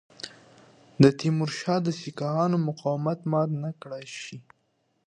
تیمورشاه د سیکهانو مقاومت مات نه کړای شي.